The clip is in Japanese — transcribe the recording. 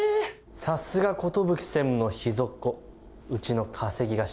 さすが寿専務の秘蔵っ子うちの稼ぎ頭。